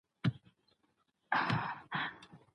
دویني ډول د تصمیم نیولو لارښوونه کوي.